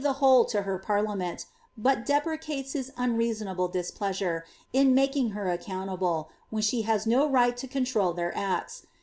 the whole to her parliament, hut deprecates his unreasonable displeasmv, in making her accountable, when she has no right to coutiol their acts.